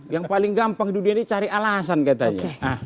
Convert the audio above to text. yang paling gampang dunia ini cari alasan katanya